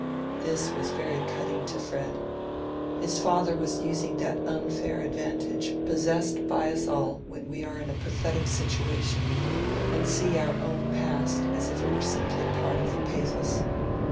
This was very cutting to Fred. His father was using that unfair advantage possessed by us all when we are in a pathetic situation and see our own past as if it were simply part of the pathos.